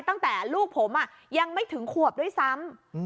ตั้งแต่ลูกผมยังไม่ถึงขวบด้วยซ้ำ